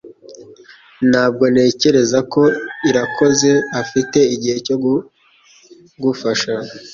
Ntabwo ntekereza ko Irakoze afite igihe cyo gufasha